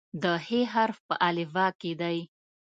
د "ح" حرف په الفبا کې دی.